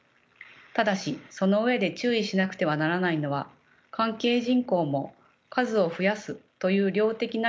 ただしその上で注意しなくてはならないのは関係人口も数を増やすという量的な議論に回収されがちなことです。